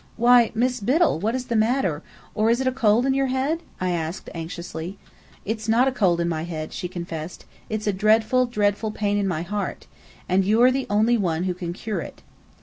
"Why, Miss Biddell, what is the matter or is it a cold in your head?" I asked anxiously. "It's not a cold in my head," she confessed. "It's a dreadful, dreadful pain in my heart. And you're the only one who can cure it."